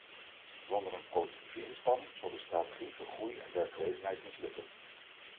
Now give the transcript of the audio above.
Zonder een collectieve inspanning zal de strategie voor groei en werkgelegenheid mislukken.